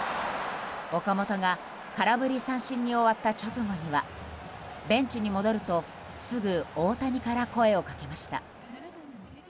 岡本が空振り三振に終わった直後にはベンチに戻ると、すぐ大谷から声を掛けました。